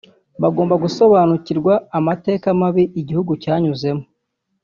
bagomba gusobanukirwa amateka mabi igihugu cyanyuzemo